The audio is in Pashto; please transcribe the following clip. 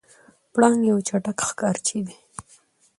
پړانګ یو چټک ښکارچی دی.